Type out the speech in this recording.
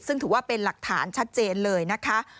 ซึ่งถือว่าเป็นหลักฐานชัดเจนเลยนะคะ